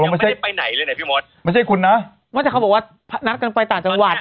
ไปไหนเลยพี่มสไม่ใช่กูนะว่าจะเขาบอกว่านักกันไปต่างจังหวัด